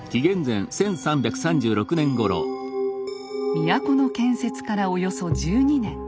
都の建設からおよそ１２年。